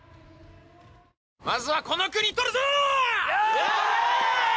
まずはこの国とるぞ！